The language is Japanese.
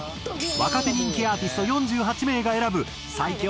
若手人気アーティスト４８名が選ぶ最強